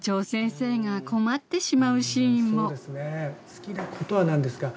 「好きなことはなんですか」。